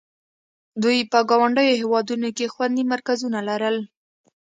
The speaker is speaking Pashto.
دوی په ګاونډیو هېوادونو کې خوندي مرکزونه لرل.